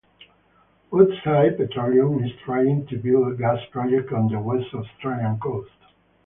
Woodside Petroleum is trying to build a gas project on the West Australian coast.